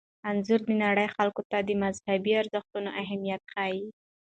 انځور د نړۍ خلکو ته د مذهبي ارزښتونو اهمیت ښيي.